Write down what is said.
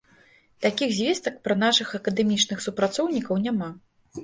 Такіх звестак пра нашых акадэмічных супрацоўнікаў няма.